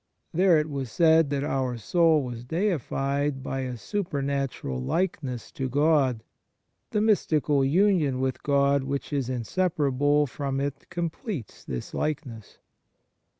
There it was said that our soul was deified by a super natural likeness to God ; the mystical union with God which is inseparable from it completes this likeness.